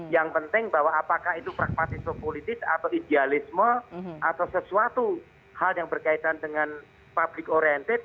yang penting bahwa apakah itu pragmatisme politik atau idealisme atau sesuatu hal yang berkaitan dengan public oriented